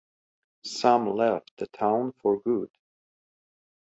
Some left the town for good.